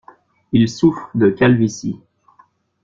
Il souffre de calvitie.